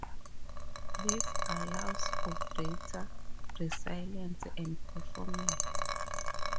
This allows for greater resiliency, and performance.